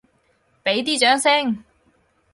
畀啲掌聲！